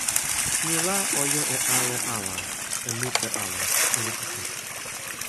ni la, o jo e ale ala, e mute ala, e luka tu.